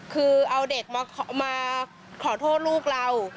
คือเอาเด็กมาขอโทษลูกเรา